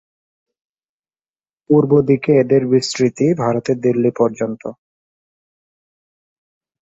পূর্ব দিকে এদের বিস্তৃতি ভারতের দিল্লী পর্যন্ত।